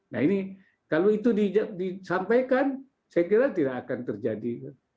nah ini kalau itu disampaikan saya kira tidak akan terjadi